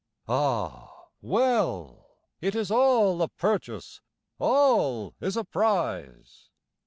Ah well! it is all a purchase, all is a prize.